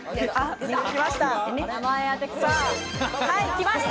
きました。